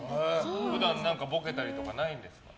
普段ボケたりとかないんですか。